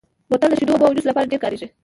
بوتل د شیدو، اوبو او جوس لپاره ډېر کارېږي.